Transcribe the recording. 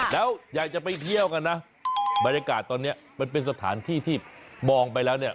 แล้วอยากจะไปเที่ยวกันนะบรรยากาศตอนนี้มันเป็นสถานที่ที่มองไปแล้วเนี่ย